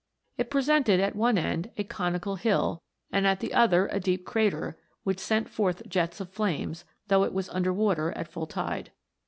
It presented at one end a conical hill, and at the other a deep crater, which sent forth jets of flames, though it was under water at full tide.